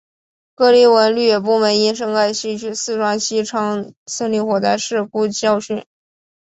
各地文旅部门应深刻吸取四川西昌森林火灾事故教训